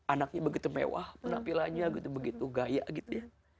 anaknya begitu mewah penampilannya gitu begitu gaya gitu ya